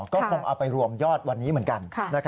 ก็คงเอาไปรวมยอดวันนี้เหมือนกัน